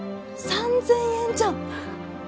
３０００円じゃん！